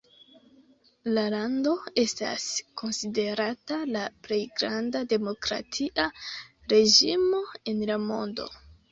La lando estas konsiderata la plej granda demokratia reĝimo en la mondo.